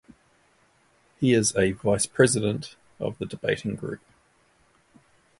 He is a Vice-President of the Debating Group.